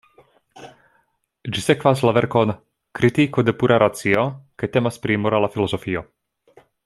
Ĝi sekvas la verkon "Kritiko de Pura Racio" kaj temas pri morala filozofio.